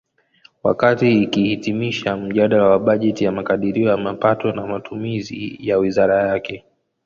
Wakati akihitimisha mjadala wa bajeti wa makadirio ya mapato na matumizi ya wizara yake